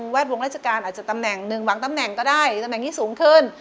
ดวงราชการอาจจะตำแหน่งหนึ่งหวังตำแหน่งก็ได้ตำแหน่งที่สูงขึ้น